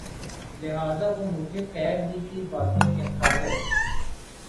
لہٰذا وہ مجھے خیر ہی کی باتیں کہتا ہے